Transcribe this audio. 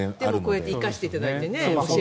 こうやって生かして教えていただいて。